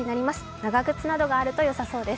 長靴などがあると良さそうです。